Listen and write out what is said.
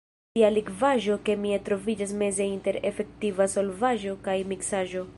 Tia likvaĵo kemie troviĝas meze inter efektiva solvaĵo kaj miksaĵo.